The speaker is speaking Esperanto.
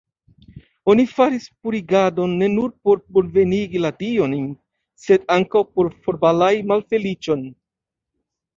Oni faris purigadon ne nur por bonvenigi la diojn, sed ankaŭ por forbalai malfeliĉon.